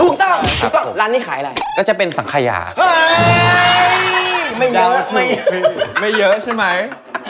ถูกต้องถูกต้องร้านนี้ขายอะไรก็จะเป็นสังขยาไม่เยอะไม่เยอะไม่เยอะใช่ไหม